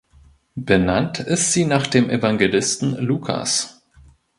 Benannt ist sie nach dem Evangelisten Lukas.